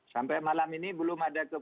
sampai malam ini belum ada keputusan